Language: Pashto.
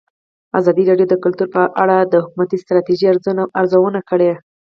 ازادي راډیو د کلتور په اړه د حکومتي ستراتیژۍ ارزونه کړې.